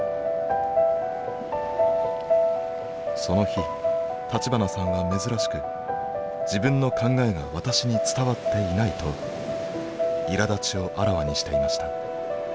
その日立花さんは珍しく自分の考えが私に伝わっていないといらだちをあらわにしていました。